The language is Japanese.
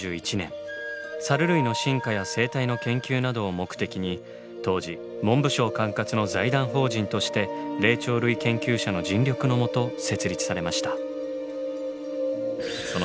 サル類の進化や生態の研究などを目的に当時文部省管轄の財団法人として霊長類研究者の尽力のもと設立されました。